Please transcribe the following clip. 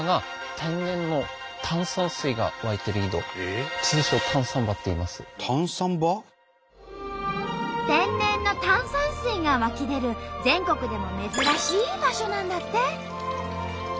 天然の炭酸水が湧き出る全国でも珍しい場所なんだって。